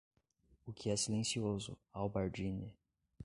O que é silencioso, Albardine.